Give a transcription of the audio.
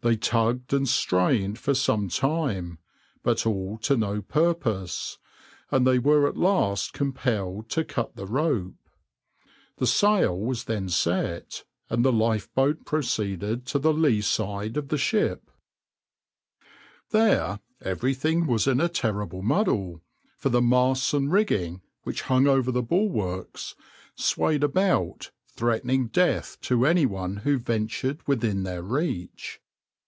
They tugged and strained for some time, but all to no purpose, and they were at last compelled to cut the rope. The sail was then set, and the lifeboat proceeded to the leeside of the ship.\par There everything was in a terrible muddle, for the masts and rigging, which hung over the bulwarks, swayed about, threatening death to anyone who ventured within their reach.